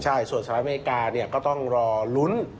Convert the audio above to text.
ใช่ส่วนสหรัฐอเมริกาเนี่ยก็ต้องรอลุ้น